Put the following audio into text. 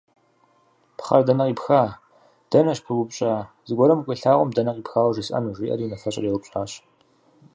«Пхъэр дэнэ къипха, дэнэ щыпыбупщӏа, зыгуэрым укъилъагъум дэнэ къипхауэ жесӏэну?» – жиӏэри унафэщӏыр еупщӏащ.